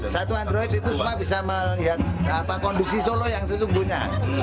satu android itu semua bisa melihat kondisi solo yang sesungguhnya